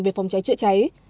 về phòng trái chữa cháy